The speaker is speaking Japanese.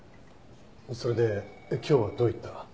それで今日はどういった？